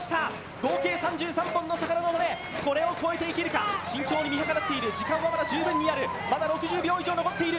合計３３本の魚の群れ、これを越えていけるか、慎重に見計らっている時間もまだ十分にある、まだ６０秒以上残っている。